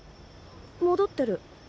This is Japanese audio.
戻ってる。